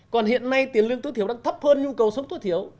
còn hiện nay tiền lương tối thiểu đang thấp hơn nhu cầu sống tối thiểu